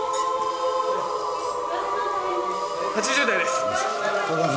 ８０台です